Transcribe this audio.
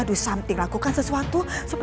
bisa untuk rekomendasiannya